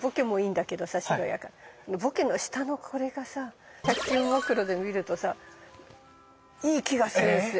ボケの下のこれがさ１００均マクロで見るとさいい気がするんすよ。